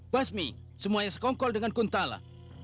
basmi semuanya sekongkol dengan kuntala